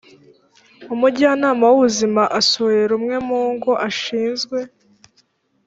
umujyanama w ubuzima asuye rumwe mu ngo ashinzwe